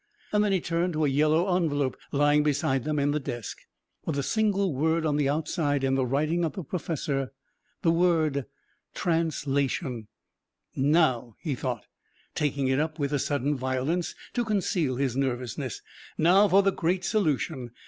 Then he turned to a yellow envelope lying beside them in the desk, with the single word on the outside in the writing of the professor the word Translation. "Now," he thought, taking it up with a sudden violence to conceal his nervousness, "now for the great solution.